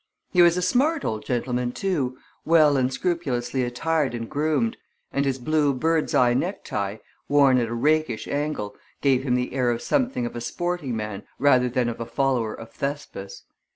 He was a smart old gentleman, too, well and scrupulously attired and groomed, and his blue bird's eye necktie, worn at a rakish angle, gave him the air of something of a sporting man rather than of a follower of Thespis.